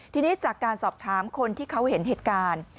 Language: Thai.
ทีนี้จากการสอบถามคนที่เขาเห็นเหตุการณ์